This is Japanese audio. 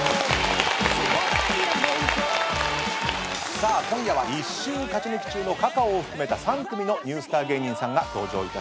さあ今夜は１週勝ち抜き中のｃａｃａｏを含めた３組のニュースター芸人さんが登場いたします。